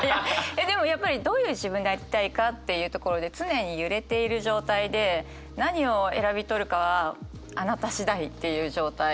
でもやっぱりどういう自分でありたいかっていうところで常に揺れている状態で何を選び取るかはあなた次第っていう状態。